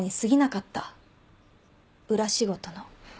裏仕事の。